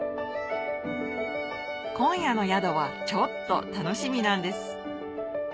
今夜の宿はちょっと楽しみなんです